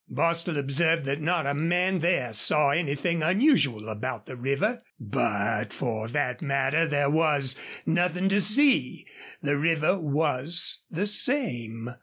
Bostil observed that not a man there saw anything unusual about the river. But, for that matter, there was nothing to see. The river was the same.